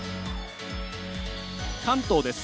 関東です。